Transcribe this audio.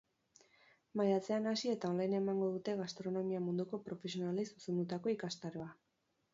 Maiatzean hasi eta online emango dute gastronomia munduko profesionalei zuzendutako ikastaroa.